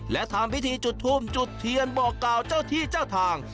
และทำพิธีจุดทูบจุดเทียนบอกกล่าวเจ้าที่เจ้าทาง